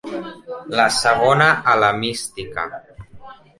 La segona a la mística.